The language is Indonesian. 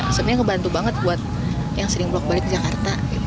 sebenarnya ngebantu banget buat yang sering pulak balik ke jakarta